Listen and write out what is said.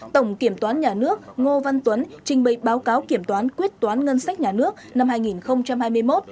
tổng kiểm toán nhà nước ngô văn tuấn trình bày báo cáo kiểm toán quyết toán ngân sách nhà nước năm hai nghìn hai mươi một